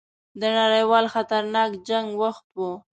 د نړیوال خطرناک جنګ وخت وو.